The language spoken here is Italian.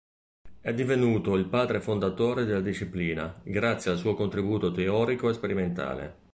È divenuto "il padre fondatore" della disciplina, grazie al suo contributo teorico e sperimentale.